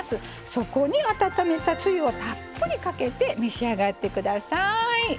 そこに温めたつゆをたっぷりかけて召し上がって下さい。